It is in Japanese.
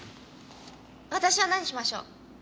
私は何しましょう？